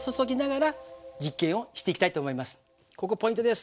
ここにここポイントです。